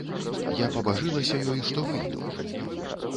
Я пабажылася ёй, што выйду.